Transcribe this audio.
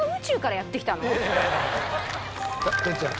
哲ちゃん